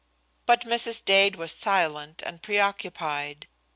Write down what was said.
But Mrs. Dade was silent and preoccupied.